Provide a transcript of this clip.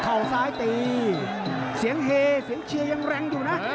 เขาซ้ายตีเสียงเฮเสียงเชียร์ยังแรงอยู่นะ